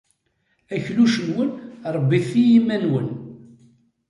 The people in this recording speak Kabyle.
Akluc-nwen ṛebbit-t i yiman-nwen.